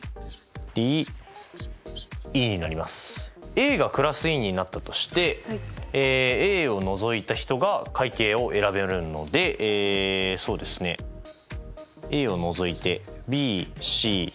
Ａがクラス委員になったとしてＡを除いた人が会計を選べるのでえそうですねＡを除いて。